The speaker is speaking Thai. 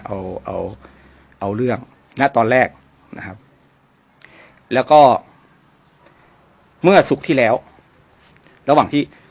เอาเอาเอาเรื่องณตอนแรกนะครับแล้วก็เมื่อศุกร์ที่แล้วระหว่างที่